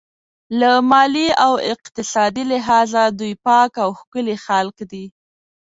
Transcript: له مالي او اقتصادي لحاظه دوی پاک او ښکلي خلک دي.